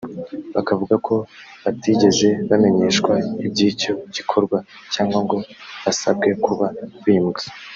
Bakavuga ko batigeze bamenyeshwa iby’icyo gikorwa cyangwa ngo basabwe kuba bimutse